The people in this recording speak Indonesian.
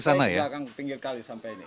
sampai ke belakang di pinggir kali sampai ini